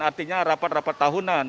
artinya rapat rapat tahunan